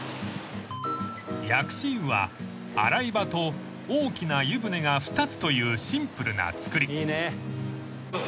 ［薬師湯は洗い場と大きな湯船が２つというシンプルな造り］